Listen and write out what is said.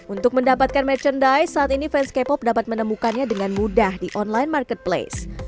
untuk mendapatkan merchandise saat ini fans k pop dapat menemukannya dengan mudah di online marketplace